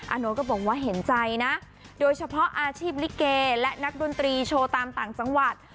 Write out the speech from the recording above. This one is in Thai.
โน๊ตก็บอกว่าเห็นใจนะโดยเฉพาะอาชีพลิเกและนักดนตรีโชว์ตามต่างจังหวัด